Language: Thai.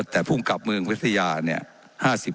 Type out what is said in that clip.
เจ้าหน้าที่ของรัฐมันก็เป็นผู้ใต้มิชชาท่านนมตรี